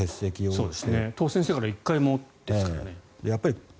当選してから１回もですからね。